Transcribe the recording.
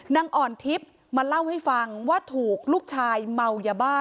นางอ่อนทิพย์มาเล่าให้ฟังว่าถูกลูกชายเมายาบ้า